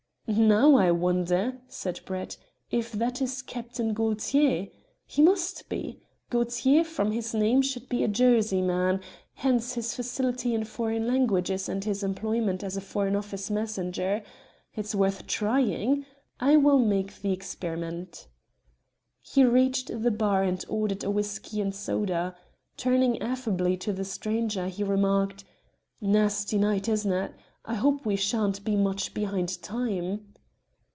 "Now, I wonder," said Brett, "if that is Captain Gaultier. He must be. Gaultier, from his name, should be a Jersey man, hence his facility in foreign languages and his employment as a Foreign Office messenger. It's worth trying. I will make the experiment." He reached the bar and ordered a whisky and soda. Turning affably to the stranger, he remarked "Nasty night, isn't it? I hope we shan't be much behind time."